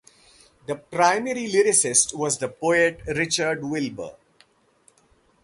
The primary lyricist was the poet Richard Wilbur.